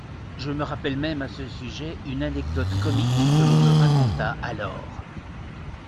Je me rappelle même à ce sujet une anecdote comique que l'on me raconta alors.